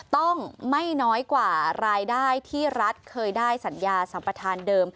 ต้องไม่น้อยกว่ารายได้ที่รัฐเคยได้สัญญาสัมปทานเดิม